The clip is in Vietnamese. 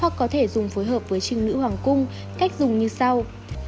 hoặc có thể dùng phối hợp với trinh nữ hoàng cung cách dùng như sau